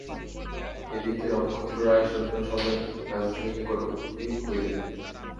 এ দিকে নক্ষত্ররায় সৈন্য-সমেত রাজধানীর নিকটবর্তী হইলেন।